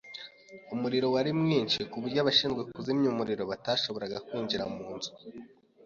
Umuriro wari mwinshi kuburyo abashinzwe kuzimya umuriro batashoboraga kwinjira mu nzu.